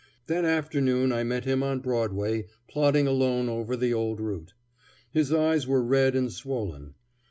That afternoon I met him on Broadway, plodding alone over the old route. His eyes were red and swollen.